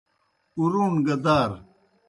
اُروݨ گہ دار